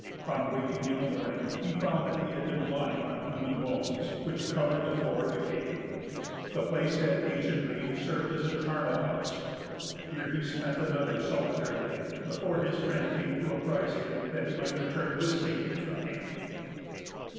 On waking in the morning, he found that he had been lying on human bones, which covered the floor of the cave. The place had anciently served as a charnel house. Here he spent another solitary night, before his friend came to apprise him that he might return with safety to the camp.